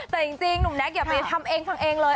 แต่จริงหนุ่มแก๊กอย่าไปทำเองฟังเองเลย